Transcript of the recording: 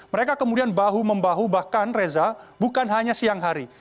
mereka kemudian bahu membahu bahkan reza bukan hanya siang hari